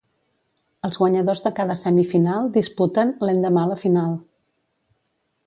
Els guanyadors de cada semifinal disputen, l'endemà la final.